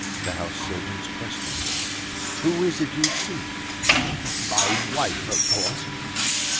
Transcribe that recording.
The house surgeon questioned him. "Who is it you see?" "My wife, of course!"